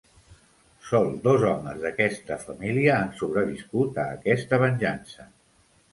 Sol dos homes d'aquesta família han sobreviscut a aquesta venjança.